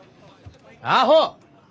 アホ！